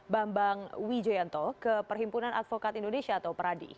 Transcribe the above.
bambang wijoyanto ke perhimpunan advokat indonesia atau peradi